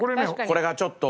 これがちょっと。